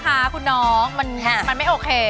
คุณผู้หญิงก็ต้องทำงานบ้านคนเดียวหรือมันไม่ใช่